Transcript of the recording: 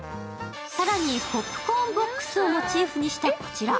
更にポップコーンボックスをモチーフにしたこちら。